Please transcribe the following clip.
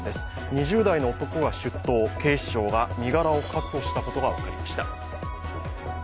２０代の男が出頭、警視庁が身柄を確保したことが分かりました。